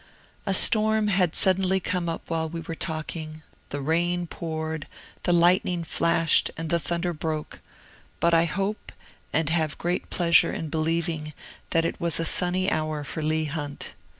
A storm had suddenly come up while we were talking; the rain poured, the lightning flashed, and the thunder broke; but I hope, and have great pleasure in believing, that it was a sunny hour for Leigh Hunt.